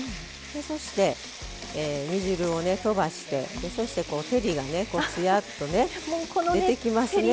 そして、煮汁をとばしてそして、照りがつやっと出てきますよね。